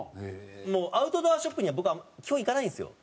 アウトドアショップには僕は基本行かないんですよ。